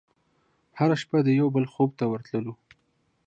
هره شپه د یوه بل خوب ته ورتللو